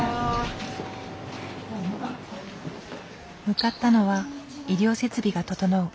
向かったのは医療設備が整う